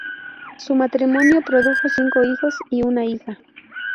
Su matrimonio produjo cinco hijos y una hija.